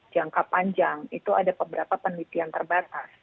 jangka panjang itu ada beberapa penelitian terbatas